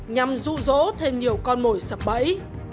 nhằm rụ rỗ thêm nhiều con mồi sập bẫy